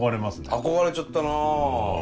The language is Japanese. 憧れちゃったな。